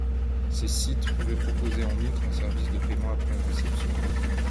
Ces sites pouvaient proposer en outre un service de paiement après réception.